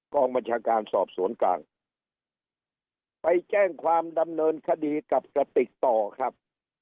กองบัญชาการสอบสวนกลางไปแจ้งความดำเนินคดีกับกระติกต่อครับ